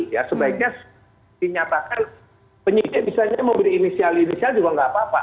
ya sebaiknya dinyatakan penyidik misalnya memberi inisial inisial juga nggak apa apa